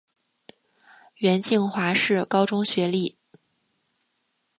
袁敬华是高中学历。